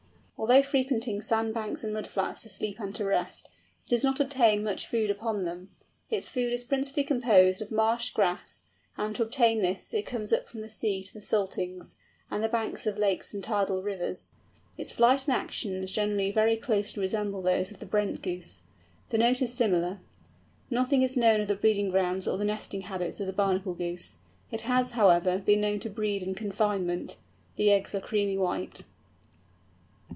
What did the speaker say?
Although frequenting sand banks and mud flats to sleep and to rest, it does not obtain much food upon them. Its food is principally composed of marsh grass, and to obtain this it comes up from the sea to the saltings, and the banks of lakes and tidal rivers. Its flight and actions generally very closely resemble those of the Brent Goose. The note is similar. Nothing is known of the breeding grounds or the nesting habits of the Bernacle Goose. It has, however, been known to breed in confinement. The eggs are creamy white.